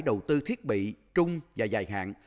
đầu tư thiết bị trung và dài hạn